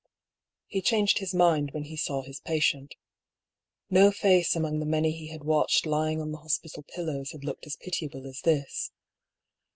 He changed his mind when he saw his patient. No face among the many he had watched lying on the hos pital pillows had looked as pitiable as this.